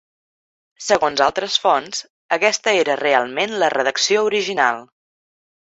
Segons altres fonts, aquesta era realment la redacció original.